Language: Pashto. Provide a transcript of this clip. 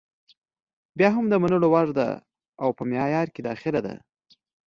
بیا هم د منلو وړ ده او په معیار کې داخله ده.